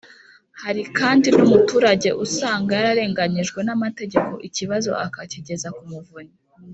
Hari kandi n umuturage usanga yararenganyijwe n’amategeko ikibazo akakigeza ku Muvunyi